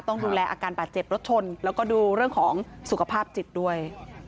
ต้องดูแลอาการบาดเจ็บรถชนแล้วก็ดูเรื่องของสุขภาพจิตด้วย